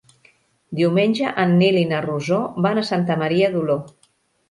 Diumenge en Nil i na Rosó van a Santa Maria d'Oló.